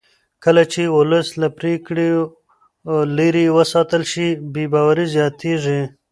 کله چې ولس له پرېکړو لرې وساتل شي بې باوري زیاتېږي